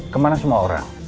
kemana semua orang